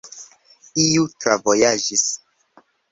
Iu travojaĝis.